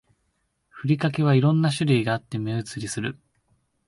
ふりかけは色んな種類があって目移りする